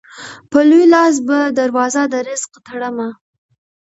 په لوی لاس به دروازه د رزق تړمه